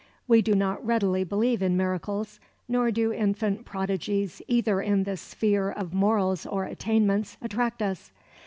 We do not readily believe in miracles; nor do infant prodigies either in the sphere of morals or attainments attract us.